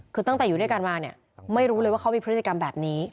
คือตั้งแต่อยู่ด้วยกันมาเนี่ยไม่รู้เลยว่าเขามีพฤติกรรมแบบนี้